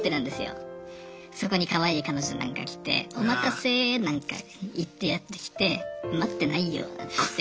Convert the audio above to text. そこにかわいい彼女なんか来てお待たせなんか言ってやって来て待ってないよなんて言って。